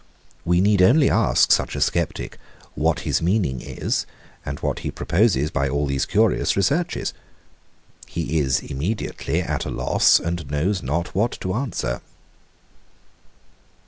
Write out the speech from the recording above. We need only ask such a sceptic, What his meaning is? And what he proposes by all these curious researches? He is immediately at a loss, and knows not what to answer.